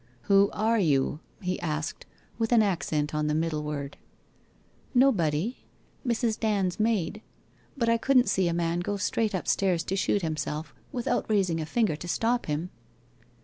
' \i'ho are you ?' he asked, with an accent on the middle word. ' Nobody. Mrs. Dand's maid. But I couldn't see a man go straight upstairs to shoot himself without raising a finger to stop him.'